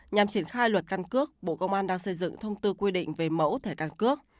nhằm triển khai luật căn cước bộ công an đang xây dựng thông tư quy định về mẫu thẻ căn cước